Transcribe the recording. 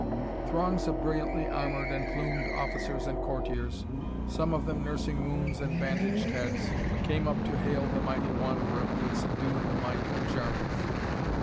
Throngs of brilliantly armored and plumed officers and courtiers, some of them nursing wounds and bandaged heads, came up to hail the mighty wanderer who had subdued the might of Jarmuth.